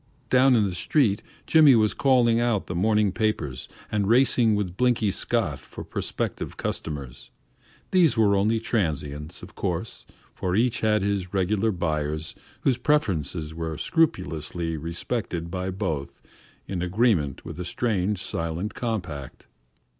Down in the street, Jimmy was calling out the morning papers and racing with Blinky Scott for prospective customers; these were only transients, of course, for each had his regular buyers whose preferences were scrupulously respected by both in agreement with a strange silent compact.